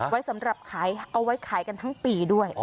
ไว้สำหรับขายเอาไว้ขายกันทั้งปีด้วย